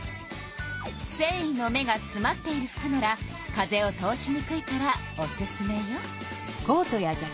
せんいの目がつまっている服なら風を通しにくいからおすすめよ。